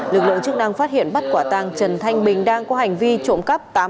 lực lượng chức năng phát hiện bắt quả tàng trần thanh bình đang có hành vi trộm cắp